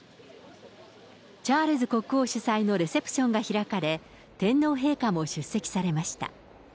チャールズ国王主催のレセプションが開かれ、天皇陛下も出席されました。